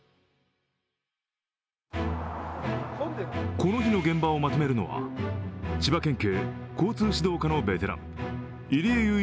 この日の現場をまとめるのは千葉県警交通指導課のベテラン入江雄一